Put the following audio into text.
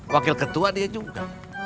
wakil ketua dia juga